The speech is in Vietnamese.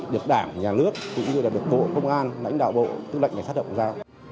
được đảng nhà nước cũng như là được cộng an lãnh đạo bộ tư lệnh sát động ra